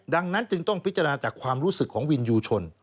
ดังนั้นจึงต้องพิจารณาจากความรู้สึกของวินยูชน